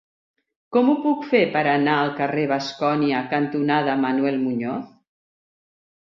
Com ho puc fer per anar al carrer Bascònia cantonada Manuel Muñoz?